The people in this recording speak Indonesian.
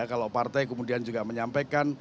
kalau partai kemudian juga menyampaikan